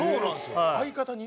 相方に？